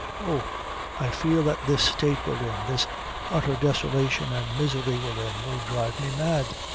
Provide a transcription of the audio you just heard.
Oh! I feel that this state we're in this outher desolation an' misery we're in will drive me mad!